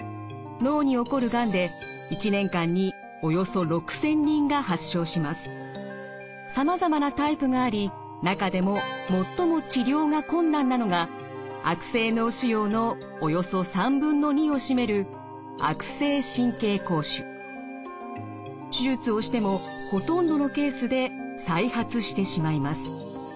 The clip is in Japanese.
脳に起こるがんでさまざまなタイプがあり中でも最も治療が困難なのが悪性脳腫瘍のおよそ３分の２を占める手術をしてもほとんどのケースで再発してしまいます。